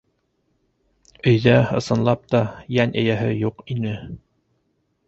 Өйҙә, ысынлап та, йән эйәһе юҡ ине.